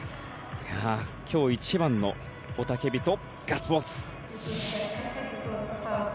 今日一番の雄たけびとガッツポーズ。